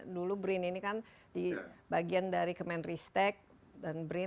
dulu brin ini kan di bagian dari kemenristek dan brin